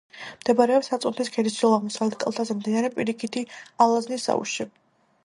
მდებარეობს აწუნთის ქედის ჩრდილო-აღმოსავლეთ კალთაზე, მდინარე პირიქითი ალაზნის აუზში.